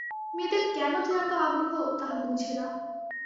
মেয়েদের কেন যে এত আগ্রহ তাহা বুঝিলাম।